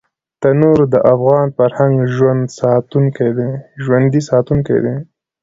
تنور د افغان فرهنګ ژوندي ساتونکی دی